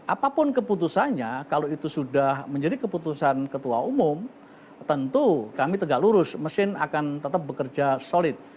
apapun keputusannya kalau itu sudah menjadi keputusan ketua umum tentu kami tegak lurus mesin akan tetap bekerja solid